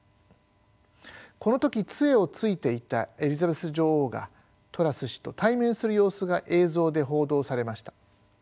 この時杖をついていたエリザベス女王がトラス氏と対面する様子が映像で報道されました。